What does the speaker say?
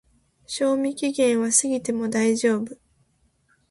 賞味期限は過ぎても大丈夫